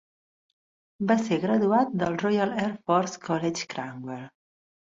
Va ser graduat del Royal Air Force College Cranwell.